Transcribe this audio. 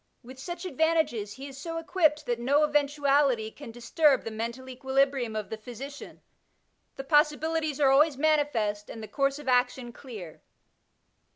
With such advantages he is so equipped that no eventuality can disturb the mental equilibrium of the physician ; the possibilities are always manifest, and the course of action clear.